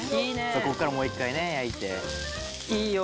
「ここからもう一回ね焼いて」いいよ。